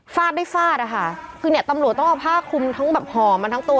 ได้ฟาดอะค่ะคือเนี่ยตำรวจต้องเอาผ้าคลุมทั้งแบบห่อมันทั้งตัว